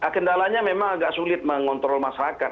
kendalanya memang agak sulit mengontrol masyarakat